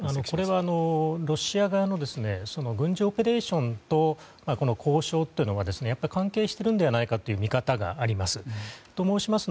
これはロシア側の軍事オペレーションと交渉というのはやっぱり関係しているのではという見方があります。